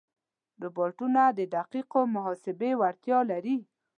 روبوټونه د دقیقو محاسبې وړتیا لري.